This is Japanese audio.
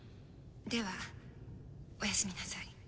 ではおやすみなさい。